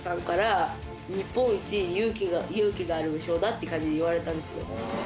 って感じで言われたんですよ。